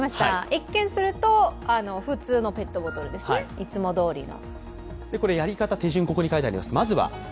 一見すると普通のペットボトルですね、いつもどおりの。